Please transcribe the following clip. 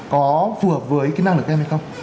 có phù hợp với kỹ năng của các em hay không